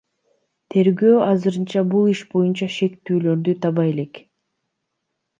Тергөө азырынча бул иш боюнча шектүүлөрдү таба элек.